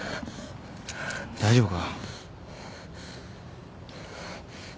大丈夫か？